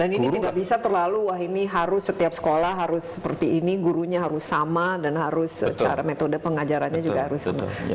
dan ini tidak bisa terlalu wah ini harus setiap sekolah harus seperti ini gurunya harus sama dan harus cara metode pengajarannya juga harus sama